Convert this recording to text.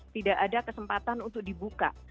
tidak ada kesempatan untuk dibuka